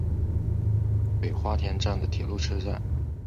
北花田站的铁路车站。